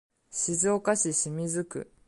静岡市清水区